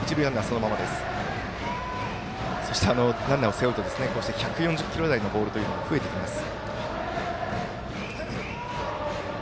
そして、ランナーを背負うと１４０キロ台のボールも増えてきます。